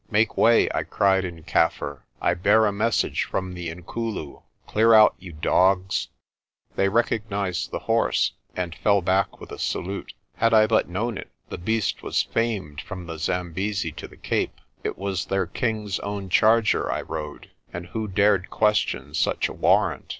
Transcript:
"Make way!" I cried in Kaffir. "I bear a message from the Inkulu.f Clear out, you dogs!' They recognised the horse, and fell back with a salute. Had I but known it, the beast was famed from the Zambesi to the Cape. It was their king's own charger I rode, and who dared question such a warrant?